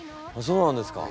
そうなんですか。